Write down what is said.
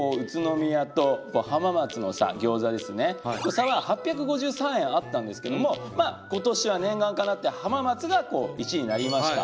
差は８５３円あったんですけども今年は念願かなって浜松が１位になりました。